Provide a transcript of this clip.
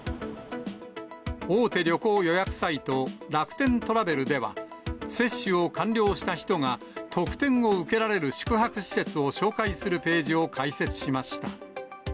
大手旅行予約サイト、楽天トラベルでは、接種を完了した人が特典を受けられる宿泊施設を紹介するページを開設しました。